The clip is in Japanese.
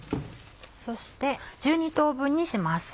そして１２等分にします。